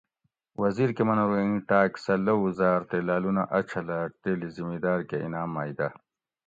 وزیر کہ منو ارو اِیں ٹاۤک سہ لوؤ زاۤر تے لالونہ ا چھلہ تیلی زِمیداۤر کہ انعام مئی دہ